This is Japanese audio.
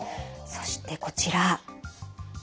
そしてこちら。